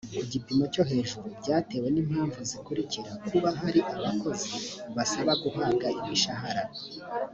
ku gipimo cyo hejuru byatewe n impamvu zikurikira kuba hari abakozi basaba guhabwa imishahara